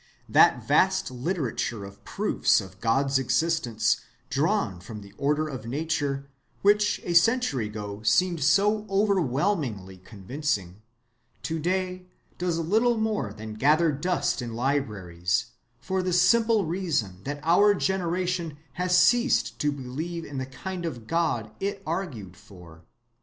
That vast literature of proofs of God's existence drawn from the order of nature, which a century ago seemed so overwhelmingly convincing, to‐day does little more than gather dust in libraries, for the simple reason that our generation has ceased to believe in the kind of God it argued for.